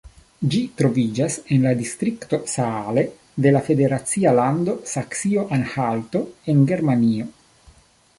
Ĝi troviĝas en la distrikto Saale de la federacia lando Saksio-Anhalto en Germanio.